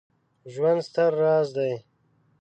ژوند ستر راز دی